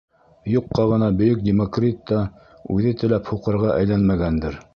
Юҡҡа ғына бөйөк Демокрит та үҙе теләп һуҡырға әйләнмәгәндер.